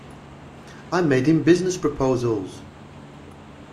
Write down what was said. I made him business proposals.